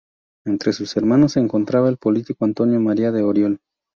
Entre sus hermanos se encontraba el político Antonio María de Oriol.